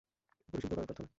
পরিশুদ্ধ করার প্রার্থনা!